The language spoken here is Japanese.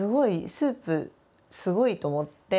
スープすごいと思って。